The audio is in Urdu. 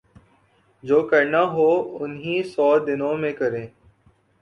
جو کرنا ہو انہی سو دنوں میں کریں۔